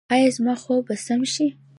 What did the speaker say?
ایا زما خوب به سم شي؟